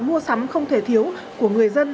mua sắm không thể thiếu của người dân